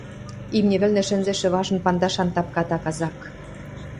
Имни вӹлнӹ шӹнзӹшӹ важын пандашан тапката казак